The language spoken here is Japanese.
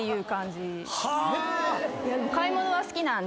でも買い物が好きなんで。